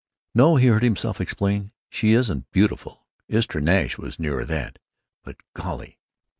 "No," he heard himself explain, "she isn't beautiful. Istra Nash was nearer that. But, golly!